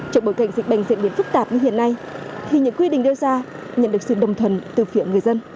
trong bối cảnh dịch bệnh diễn biến phức tạp như hiện nay thì những quy định đưa ra nhận được sự đồng thuần từ phiện người dân